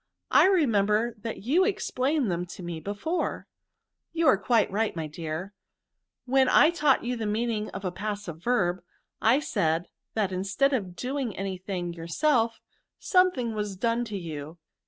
I remember that you explained them to me before," " You are quite right, my dear ; when I taught you the meaning of a passive verb, I said, that instead of doing any thing your self, something was done to you.